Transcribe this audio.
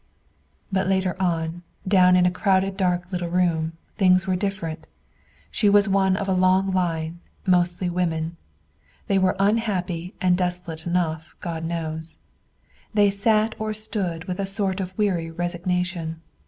But later on, down in a crowded dark little room, things were different. She was one of a long line, mostly women. They were unhappy and desolate enough, God knows. They sat or stood with a sort of weary resignation.